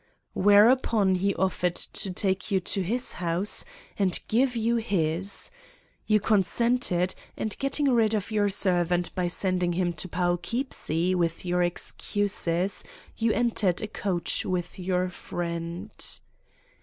Whereupon he offered to take you to his house and give you his. You consented, and getting rid of your servant by sending him to Poughkeepsie with your excuses, you entered a coach with your friend.